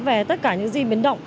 về tất cả những gì biến động